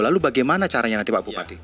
lalu bagaimana caranya nanti pak bupati